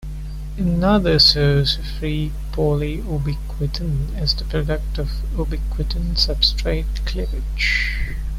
Another source of free polyubiquitin is the product of ubiquitin-substrate cleavage.